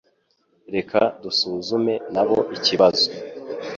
Reka dusuzume nabo ikibazo.